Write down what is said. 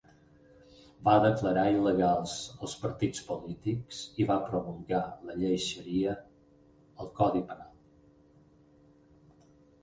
Va declarar il·legals els partits polítics i va promulgar la llei Xaria al codi penal.